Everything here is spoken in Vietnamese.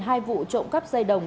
hai vụ trộm cắp dây đồng